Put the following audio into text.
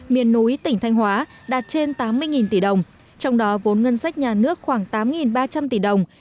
miền núi tỉnh thanh hóa đạt trên tám mươi tỷ đồng trong đó vốn ngân sách nhà nước khoảng tám ba trăm linh tỷ đồng